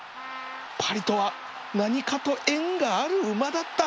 パリとは何かと縁がある馬だった